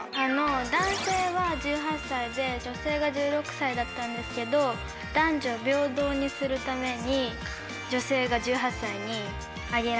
男性は１８歳で女性が１６歳だったんですけど男女平等にするために女性が１８歳に上げられて。